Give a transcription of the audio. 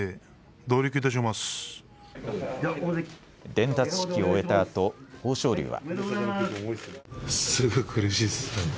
伝達式を終えたあと豊昇龍は。